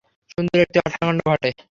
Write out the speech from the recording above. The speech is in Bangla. সুন্দর একটি হত্যাকাণ্ড ঘটে যায়।